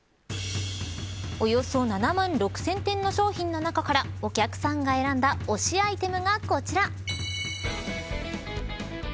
およそ７万６０００点の商品の中からお客さんが選んだ推しアイテムが、こちら。